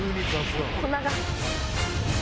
粉が。